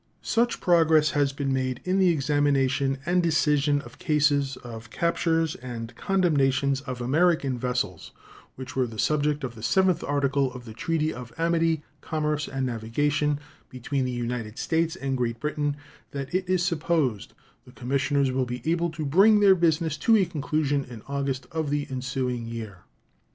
Such progress has been made in the examination and decision of cases of captures and condemnations of American vessels which were the subject of the 7th article of the treaty of amity, commerce, and navigation between the United States and Great Britain that it is supposed the commissioners will be able to bring their business to a conclusion in August of the ensuing year.